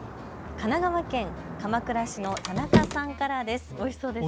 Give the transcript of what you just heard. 神奈川県鎌倉市の田中さんからです。